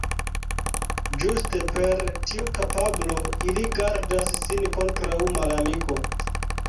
Ĝuste per tiu kapablo ili gardas sin kontraŭ malamiko.